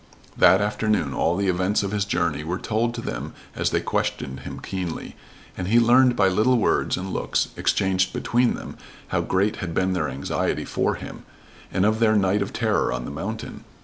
That afternoon all the events of his journey were told to them as they questioned him keenly, and he learned by little words and looks exchanged between them how great had been their anxiety for him, and of their night of terror on the mountain.